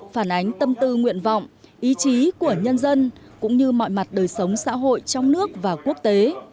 phản ánh tâm tư nguyện vọng ý chí của nhân dân cũng như mọi mặt đời sống xã hội trong nước và quốc tế